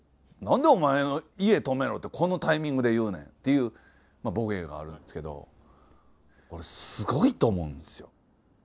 何でお前の家とめろってこのタイミングで言うねん」っていうボケがあるんですけどこれすごいと思うんですよ。